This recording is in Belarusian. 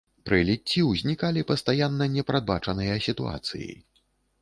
Пры ліцці ўзнікалі пастаянна непрадбачаныя сітуацыі.